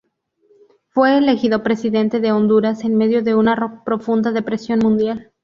Fue elegido presidente de Honduras en medio de una profunda depresión mundial.